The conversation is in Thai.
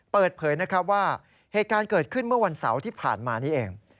เปิดเผยนะครับว่าเหตุการณ์เกิดขึ้นเมื่อวันเสาร์ที่ผ่านมานี้เอง